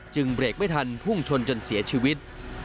เบรกไม่ทันพุ่งชนจนเสียชีวิต